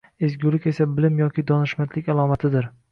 Ezgulik esa bilim yoki donishmandlik alomatidir